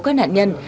các nạn nhân